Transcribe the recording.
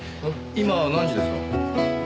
今何時ですか？